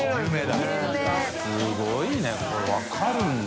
垢瓦いこれ分かるんだ。